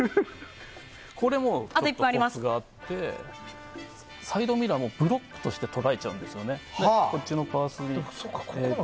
これもコツがあってサイドミラーもブロックとして捉えちゃうんですね。